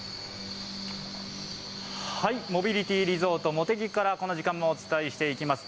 モビリティリゾートもてぎから、この時間もお伝えしていきます。